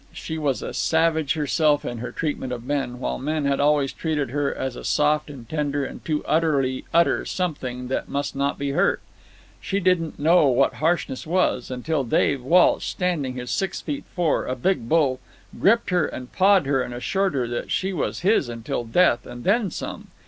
She was a savage herself in her treatment of men, while men had always treated her as a soft and tender and too utterly utter something that must not be hurt. She didn't know what harshness was ... until Dave Walsh, standing his six feet four, a big bull, gripped her and pawed her and assured her that she was his until death, and then some.